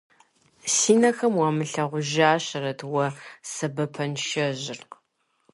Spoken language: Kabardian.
Си нэхэм уамылъагъужащэрэт уэ сэбэпыншэжьыр!